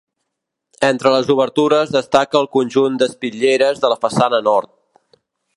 Entre les obertures destaca el conjunt d'espitlleres de la façana nord.